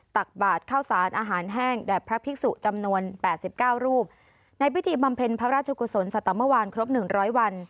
ตักบาทข้าวสารอาหารแห้งแด่พระภิกษุจำนวนแปดสิบเก้ารูปในพิธีบำเพ็ญพระราชกุศลสัตมวานครบหนึ่งร้อยวัน